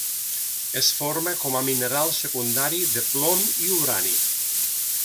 Es forma com a mineral secundari de plom i urani.